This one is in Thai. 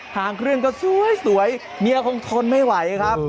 หางเครื่องก็สวยเมียคงทนไม่ไหวครับ